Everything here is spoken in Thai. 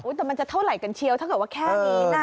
แต่มันจะเท่าไหร่กันเชียวถ้าเกิดว่าแค่นี้นะ